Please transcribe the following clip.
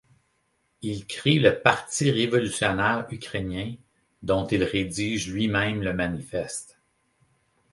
Ils créent le Parti révolutionnaire ukrainien, dont il rédige lui-même le manifeste.